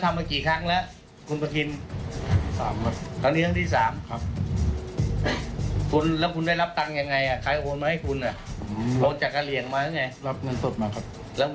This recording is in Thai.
ทีมข่าวของเราก็เลยฟังดูแล้วทีมข่าวของเราก็เลยฟังดูแล้วที